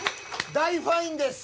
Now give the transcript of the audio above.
大ファインです。